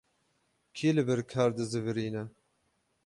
Kî li vir kar dizîvirîne?